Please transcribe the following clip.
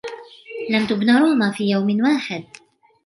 لم تبن روما في يوم واحد.